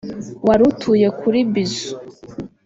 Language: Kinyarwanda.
wari utuye kuri Bizu